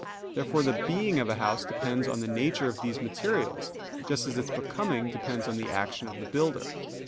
Therefore the being of a house depends on the nature of these materials, just as its becoming depends on the action of the builder.